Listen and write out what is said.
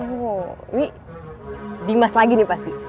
oh ini dimas lagi nih pasti